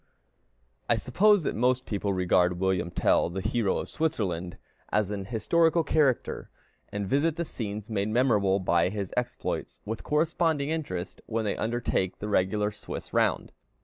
I suppose that most people regard William Tell, the hero of Switzerland, as an historical character, and visit the scenes made memorable by his exploits, with corresponding interest, when they undertake the regular Swiss round.